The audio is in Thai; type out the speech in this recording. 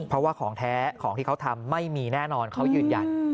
เพราะว่าของแท้ของที่เขาทำไม่มีแน่นอนเขายืนยัน